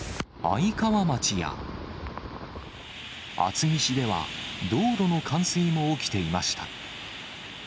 愛川町や厚木市では、道路の冠水も起きていました。